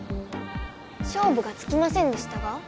しょうぶがつきませんでしたが。